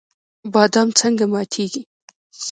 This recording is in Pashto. بادام څنګه ماتیږي؟